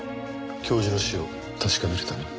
教授の死を確かめるために？